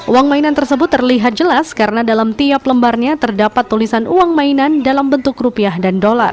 uang mainan tersebut terlihat jelas karena dalam tiap lembarnya terdapat tulisan uang mainan dalam bentuk rupiah dan dolar